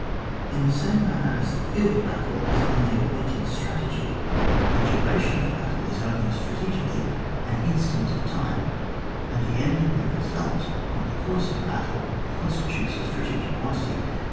In the same manner as the field of battle is only a point in strategy, the 96 ON WAR. [book VI, duration of a battle is only, strategically, an instant of time, and the end and re sult, not the course of a battle, constitutes a strategic quantity.